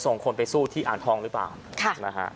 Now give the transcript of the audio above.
ส่งคนไปสู้ที่อ่างทองหรือเปล่านะฮะ